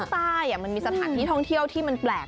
ใต้มันมีสถานที่ท่องเที่ยวที่มันแปลก